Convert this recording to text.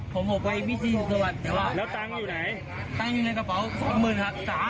ขโมยของเขาเพราะอะไร